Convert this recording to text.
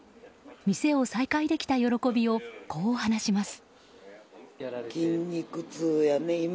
店を再開できた喜びをこう話します。